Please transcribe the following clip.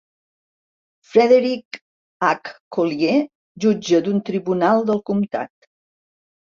Frederick H. Collier, jutge d'un tribunal del comtat.